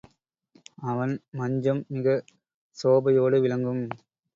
அவன் மஞ்சம் மிகச் சோபையோடு விளங்கும்.